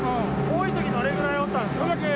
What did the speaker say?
多い時どれぐらいおったんですか？